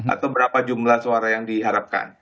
atau berapa jumlah suara yang diharapkan